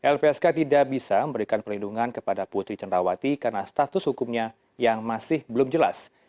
lpsk tidak bisa memberikan perlindungan kepada putri cendrawati karena status hukumnya yang masih belum jelas